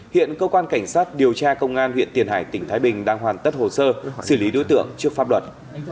hiện cơ quan cảnh sát điều tra công an huyện tiền hải tỉnh thái bình đang hoàn tất hồ sơ xử lý đối tượng trước pháp luật